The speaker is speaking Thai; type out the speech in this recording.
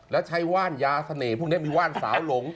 แล้วใช้ว่านยาเสน่ห์พวกนี้มีว่านสาวหลง